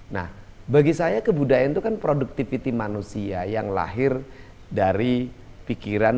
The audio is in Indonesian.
nah bagi saya kebudayaan itu kan produktivity manusia yang lahir dari pikiran